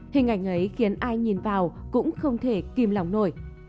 hình ảnh ấy khiến ai nhìn vào cũng không thể kim lòng nổi